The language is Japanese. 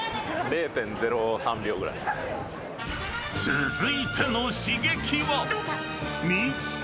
［続いての刺激は］